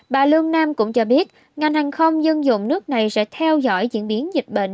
bà lương nam cũng cho biết ngành hàng không dân dụng nước này sẽ theo dõi diễn biến dịch bệnh